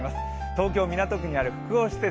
東京・港区にある複合施設